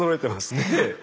ねえ。